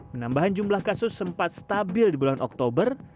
penambahan jumlah kasus sempat stabil di bulan oktober